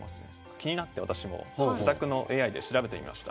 気になって私も自宅のＡＩで調べてみました。